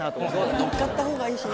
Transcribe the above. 乗っかったほうがいいしね。